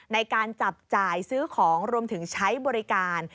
ในการจับจ่ายซื้อของรวมถึงใช้บริการ